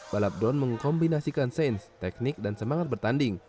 balap drone mengkombinasikan sains teknik dan semangat bertanding